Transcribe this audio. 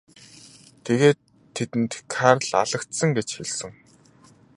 Тэгээд тэдэнд Карл алагдсан гэж хэлсэн.